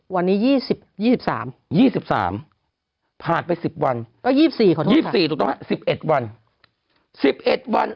วันนี้๒๓๒๓ผ่านไป๑๐วัน๒๔ใช่ไหม๑๑วัน๑๑วัน